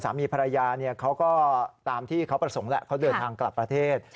สามีภรรยาเขาก็ตามที่เขาประสงค์แหละเขาเดินทางกลับประเทศ